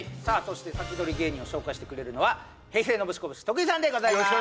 そしてサキドリ芸人を紹介してくれるのは平成ノブシコブシ徳井さんでございます